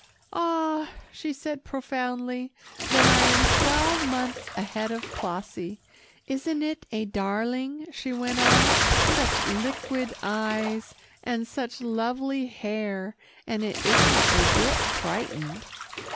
"Ah!" she said profoundly, "then I am twelve months ahead of Clossie. Isn't it a darling," she went on, "such liquid eyes, and such lovely hair, and it isn't a bit frightened."